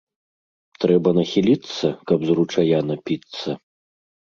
Трэба нахіліцца, каб з ручая напіцца